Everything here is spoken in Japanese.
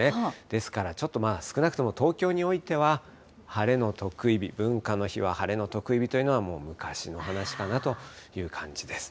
ですから、ちょっと少なくとも東京においては、晴れの特異日、文化の日は、晴れの特異日というのは、もう昔の話かなという感じです。